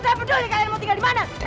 saya mau tinggal dimana